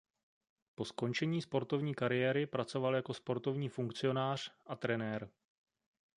Po skončení sportovní kariéry pracoval jako sportovní funkcionář a trenér.